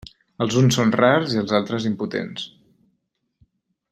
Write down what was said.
Els uns són rars i els altres impotents.